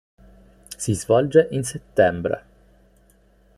Si svolge in settembre.